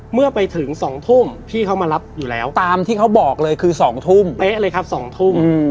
เมื่อไปถึง๒ทุ่มพี่เขามารับอยู่แล้วตามที่เขาบอกเลยคือ๒ทุ่มเป๊ะเลยครับ๒ทุ่ม